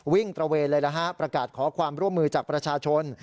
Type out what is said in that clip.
ตระเวนเลยนะฮะประกาศขอความร่วมมือจากประชาชน